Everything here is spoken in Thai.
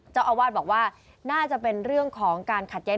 เจ้าอาวาสบอกว่าน่าจะเป็นเรื่องของการขัดแย้